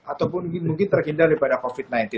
ataupun mungkin terhindar daripada covid sembilan belas